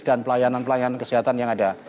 dan pelayanan pelayanan kesehatan yang ada